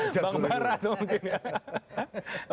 bang barat mungkin ya